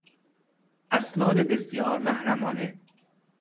اسناد بسیار محرمانه